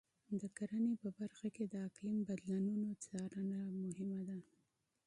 د کرنې په برخه کې د اقلیم بدلونونو څارنه لازمي ده.